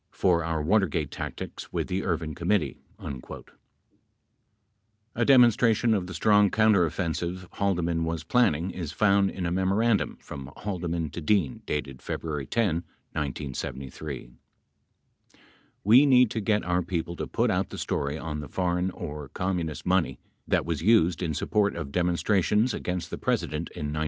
. for our Watergate tactics with the Ervin Committee." 23 A demonstration of the strong counteroffensive Haldeman was planning is found in a memorandum from Haldeman to Dean, dated February 10, 1973 : We need to get our people to put out the story on the foreign or Communist money that was used in support of demonstra tions against the President in 1972.